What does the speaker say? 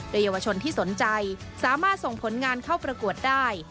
โดยเยาวชนที่สนใจสามารถส่งผลงานเข้าประกวดได้